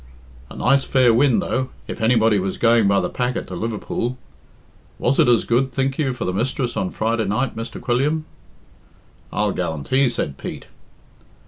"A nice fair wind, though, if anybody was going by the packet to Liverpool. Was it as good, think you, for the mistress on Friday night, Mr. Quilliam?" "I'll gallantee," said Pete.